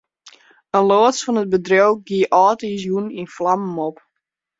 In loads fan it bedriuw gie âldjiersjûn yn flammen op.